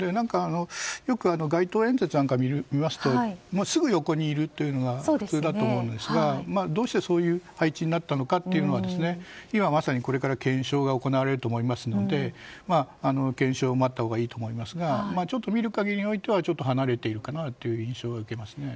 よく街頭演説を見ますとすぐ横にいるっていうのが普通だと思うんですがどうしてそういう配置になったのか今まさにこれから検証が行われると思いますので検証を待ったほうがいいと思いますがちょっと見る限りにおいては離れている印象を受けますね。